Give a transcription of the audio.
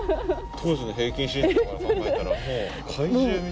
当時の平均身長から考えたら怪獣みたいな。